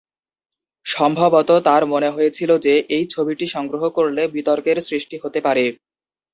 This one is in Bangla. সম্ভবত, তাঁর মনে হয়েছিল যে, এই ছবিটি সংগ্রহ করলে বিতর্কের সৃষ্টি হতে পারে।